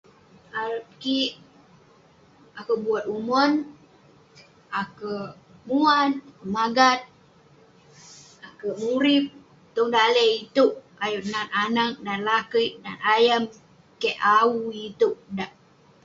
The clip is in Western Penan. Ayuk kik, akouk muat umon, akouk kuman, memagat, akouk murip tong daleh iteuk. Ayuk nat anak, nat lakeik, nat ayam kik au iteuk dak.